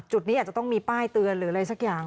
จุดนี้อาจจะต้องมีป้ายเตือนหรืออะไรสักอย่าง